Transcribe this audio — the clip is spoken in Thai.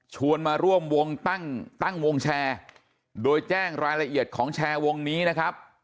มาร่วมวงตั้งตั้งวงแชร์โดยแจ้งรายละเอียดของแชร์วงนี้นะครับ